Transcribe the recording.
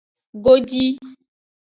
Godi.